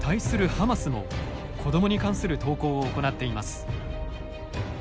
ハマスも、子どもに関する投稿を行っています。